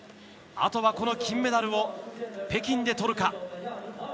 あとは金メダルを北京でとるか。